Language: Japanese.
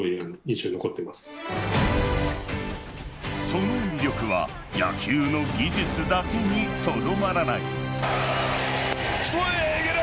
その魅力は野球の技術だけにとどまらない。